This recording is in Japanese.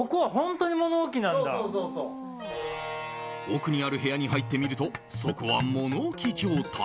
奥にある部屋に入ってみるとそこは物置状態。